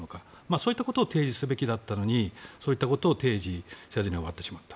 そういったことを提示すべきだったのにそういったことを提示せずに終わってしまった。